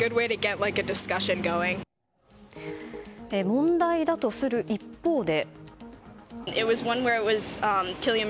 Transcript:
問題だとする一方で。